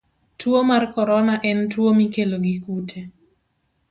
Tuo mar korona en tuwo mikelo gi kute.